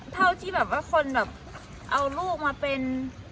เท่าที่คนเอาลูกมาเป็น